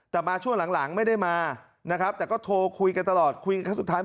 แต่มาช่วงหลังไม่ได้มานะครับแต่ก็โทรคุยกันตลอดคุยกันครั้งสุดท้าย